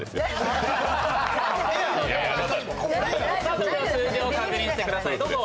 それでは数字を確認してください。